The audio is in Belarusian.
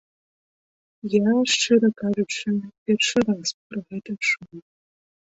Я, шчыра кажучы, першы раз пра гэта чую.